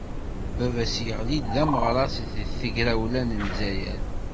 Baba-s, yeɣli d ameɣras deg tegrawla n Lezzayer.